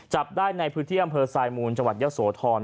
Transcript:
จับได้ในพื้นที่อำเภอทรายมูลจังหวัดเยอะโสธร